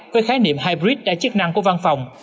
với khái niệm hybrid đa chức năng của văn phòng